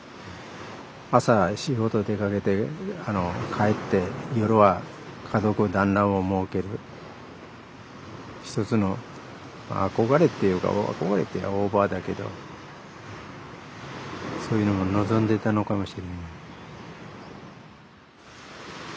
朝仕事出かけて帰って夜は家族団らんを設ける一つの憧れって言うとオーバーだけどそういうのも望んでたのかもしれない。